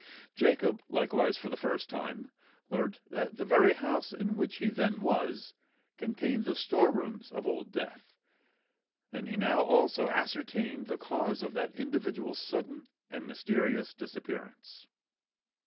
Jacob, likewise for the first time, learnt that the very house in which he then was, contained the store rooms of Old Death; and he now also ascertained the cause of that individual's sudden and mysterious disappearance.